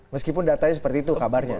meskipun datanya seperti itu kabarnya